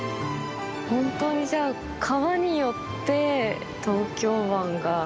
本当にじゃあ川によって東京湾が。